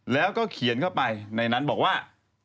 แล้วก็เขียนเข้าไปในนั้นบอกว่า